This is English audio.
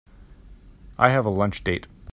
I have a lunch date.